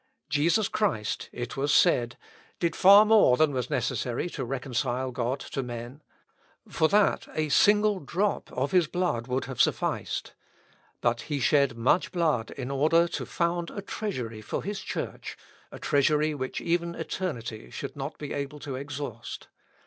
Jesus Christ, it was said, did far more than was necessary to reconcile God to men; for that a single drop of his blood would have sufficed; but he shed much blood in order to found a treasury for his church, a treasury which even eternity should not be able to exhaust.